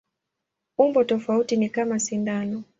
Umbo tofauti ni kama sindano.